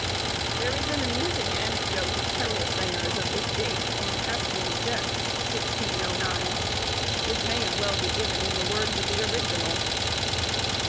There is an amusing anecdote of carol singers of this date, in 'Pasquil's Jests,' 1609, which may as well be given in the words of the original.